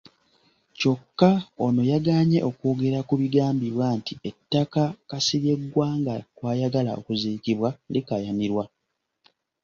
Kyokka ono yagaanye okwogera ku bigambibwa nti ettaka Kasirye Gwanga kwayagala okuziikibwa likaayanirwa.